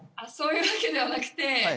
そういうわけではなくて。